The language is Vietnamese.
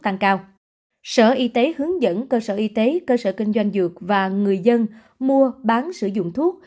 sở y tế hướng dẫn cơ sở y tế cơ sở kinh doanh dược và người dân mua bán sử dụng thuốc